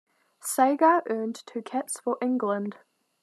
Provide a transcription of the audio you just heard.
Sagar earned two caps for England.